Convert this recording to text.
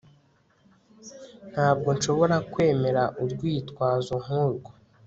Ntabwo nshobora kwemera urwitwazo nkurwo